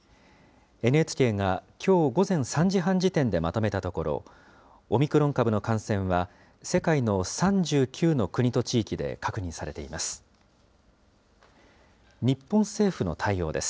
ＮＨＫがきょう午前３時半時点でまとめたところ、オミクロン株の感染は、世界の３９の国と地域で確認されています。